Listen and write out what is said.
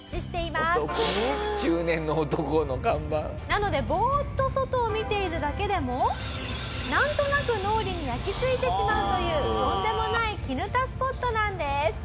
なのでぼーっと外を見ているだけでもなんとなく脳裏に焼き付いてしまうというとんでもないきぬたスポットなんです。